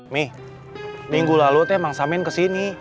mi minggu lalu teh emang samin kesini